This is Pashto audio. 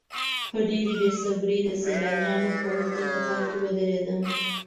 په ډېرې بې صبرۍ د سیلانیانو په اوږده کتار کې ودرېدم.